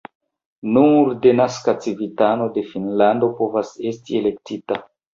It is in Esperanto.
Nur denaska civitano de Finnlando povas esti elektita.